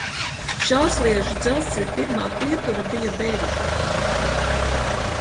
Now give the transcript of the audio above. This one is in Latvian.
Šaursliežu dzelzceļa pirmā pietura bija Berģi.